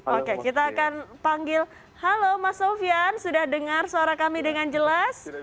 oke kita akan panggil halo mas sofian sudah dengar suara kami dengan jelas